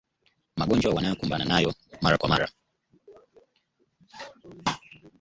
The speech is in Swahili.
magonjwa wanayokumbana nayo mara kwa mara